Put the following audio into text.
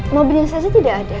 mobilnya saja tidak ada